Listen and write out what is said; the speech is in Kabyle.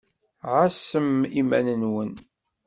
Ɛasem iman-nwen.